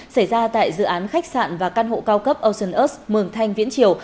xảy ra tại dự án khách sạn và căn hộ cao cấp ocean earth mường thanh viễn triều